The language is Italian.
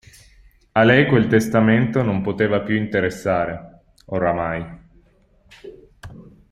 A lei quel testamento non poteva più interessare, oramai.